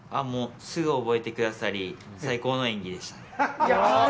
すぐ覚えてくださり、最高の演技でした。